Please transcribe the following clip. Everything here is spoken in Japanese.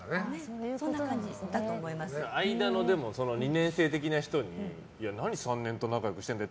間の２年生的な人に何３年と仲良くしてんだよ？